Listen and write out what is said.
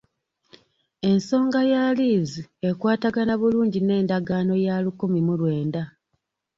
Ensonga ya liizi ekwatagana bulungi n'endagaano ya lukumi mu lwenda.